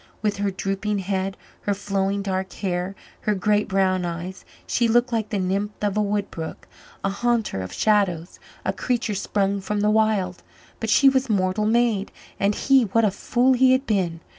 With her drooping head, her flowing dark hair, her great brown eyes, she looked like the nymph of a wood brook, a haunter of shadows, a creature sprung from the wild. But she was mortal maid, and he what a fool he had been!